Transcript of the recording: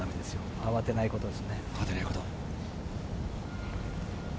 慌てないことです。